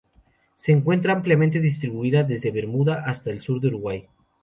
Se encuentra ampliamente distribuida desde Bermuda hasta el sur de Uruguay.